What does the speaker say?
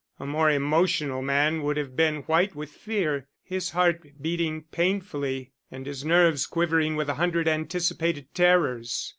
A more emotional man would have been white with fear, his heart beating painfully and his nerves quivering with a hundred anticipated terrors.